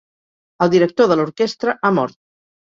El director de l'orquestra ha mort